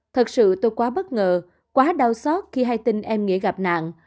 thật sự tôi quá bất ngờ quá đau xót khi hai tinh em nghĩa gặp nạn